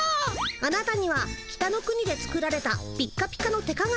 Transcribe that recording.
あなたには北の国で作られたピッカピカの手かがみ。